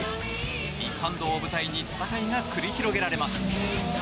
一般道を舞台に戦いが繰り広げられます。